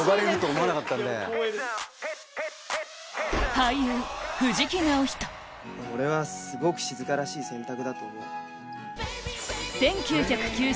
俳優俺はすごく静らしい選択だと思う。